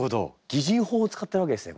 擬人法を使ってるわけですね